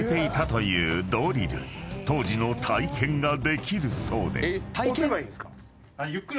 ［当時の体験ができるそうで］